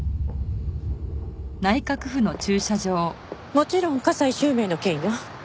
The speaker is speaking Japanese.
もちろん加西周明の件よ。